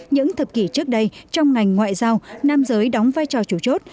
những thập kỷ trước đây trong ngành ngoại giao nam giới đóng vai trò chủ chốt